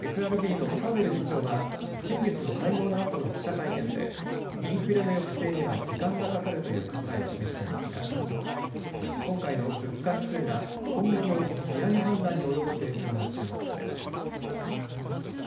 ＦＢＲのパウエル議長は先月の会合のあとの記者会見でインフレの抑制には時間がかかるという考えを示していますが今回の物価指数が今後の利上げ判断に及ぼす影響が注目されます。